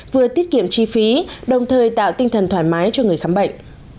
vừa tiết kiệm chi phí đồng thời tạo tinh thần thoải mái cho người khám bệnh